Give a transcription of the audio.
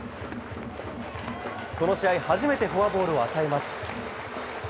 この試合初めてフォアボールを与えます。